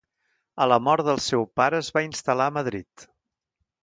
A la mort del seu pare es va instal·lar a Madrid.